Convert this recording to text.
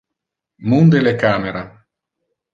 Munde le camera.